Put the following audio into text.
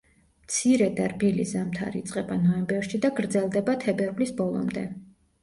მცირე და რბილი ზამთარი იწყება ნოემბერში და გრძელდება თებერვლის ბოლომდე.